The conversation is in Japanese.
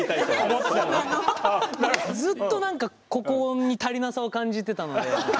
ずっと何かここに足りなさを感じてたので。